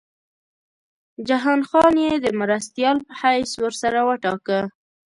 جهان خان یې د مرستیال په حیث ورسره وټاکه.